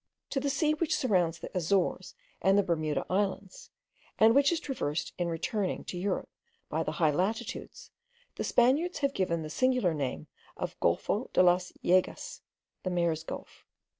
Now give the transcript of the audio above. To the sea which surrounds the Azores and the Bermuda Islands, and which is traversed in returning to Europe by the high latitudes, the Spaniards have given the singular name of Golfo de las Yeguas (the Mares' Gulf).